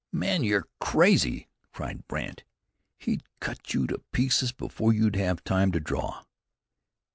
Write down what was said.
"Man, you're crazy!" cried Brandt. "He'd cut you to pieces before you'd have time to draw.